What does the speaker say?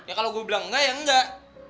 ya kalo gua bilang enggak ya enggak